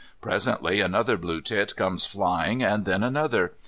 Presently another blue tit comes flying, and then another.